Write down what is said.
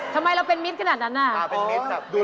ใช่ครับ